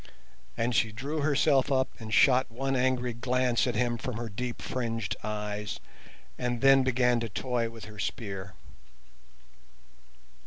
And she drew herself up and shot one angry glance at him from her deep fringed eyes, and then began to toy with her spear.